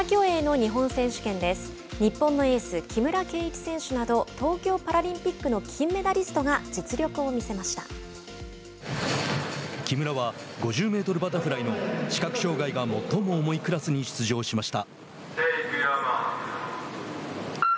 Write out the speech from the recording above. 日本のエース、木村敬一選手など東京パラリンピックの金メダリストが木村は５０メートルバタフライの視覚障害が最も重いクラスに出場しました。